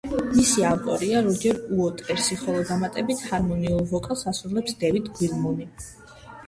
მისი ავტორია როჯერ უოტერსი, ხოლო დამატებით ჰარმონიულ ვოკალს ასრულებს დევიდ გილმორი.